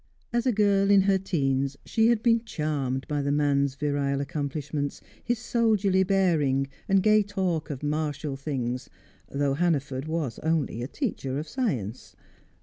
As a girl in her teens, she had been charmed by the man's virile accomplishments, his soldierly bearing and gay talk of martial things, though Hannaford was only a teacher of science.